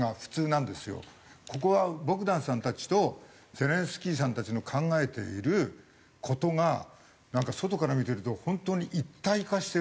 ここはボグダンさんたちとゼレンスキーさんたちの考えている事がなんか外から見てると本当に一体化してると。